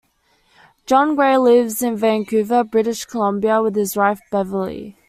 John Gray lives in Vancouver, British Columbia with his wife Beverlee.